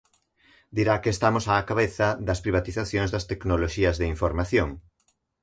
Dirá que estamos á cabeza das privatizacións das tecnoloxías de información.